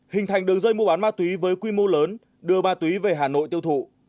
hình thành đường dây mua bán ma túy với quy mô lớn đưa ma túy về hà nội tiêu thụ